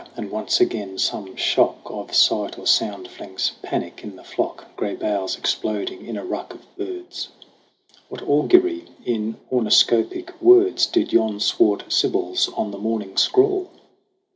And once again, some shock Of sight or sound flings panic in the flock Gray boughs exploding in a ruck of birds ! What augury in orniscopic words Did yon swart sibyls on the morning scrawl